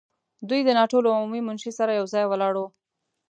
دوی د ناټو له عمومي منشي سره یو ځای ولاړ وو.